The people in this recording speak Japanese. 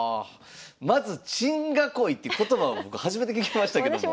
まず珍囲いって言葉を僕初めて聞きましたけども。